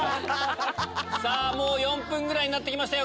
さぁ４分ぐらいになって来ましたよ。